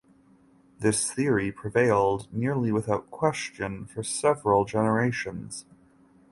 This theory prevailed nearly without question for several generations.